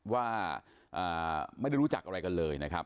ว่าไม่ได้รู้จักอะไรกันเลยนะครับ